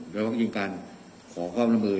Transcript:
เดี๋ยวกับจริงการขอขอบคุณคุณการมาดูสมมุติ